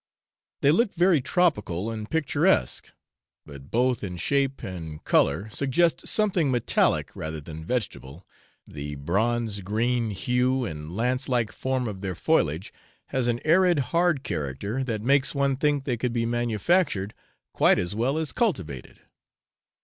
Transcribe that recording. They look very tropical and picturesque, but both in shape and colour suggest something metallic rather than vegetable, the bronze green hue and lance like form of their foliage has an arid hard character that makes one think they could be manufactured quite as well as cultivated.